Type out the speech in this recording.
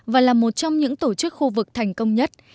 và là một trong những tổ chức khu vực thành công nhất